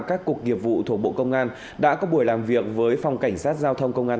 các cục nghiệp vụ thuộc bộ công an đã có buổi làm việc với phòng cảnh sát giao thông công an